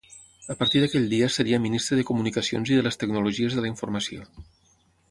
A partir d'aquell dia seria Ministre de Comunicacions i de les Tecnologies de la Informació.